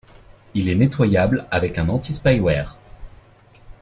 Il est nettoyable avec un anti spyware.